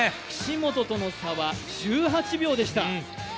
岸本との差は１８秒でした。